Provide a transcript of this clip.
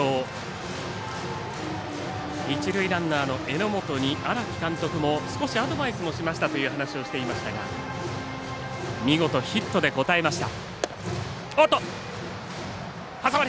一塁ランナーの榎本に荒木監督も少しアドバイスもしましたという話をしていましたが見事ヒットで応えました。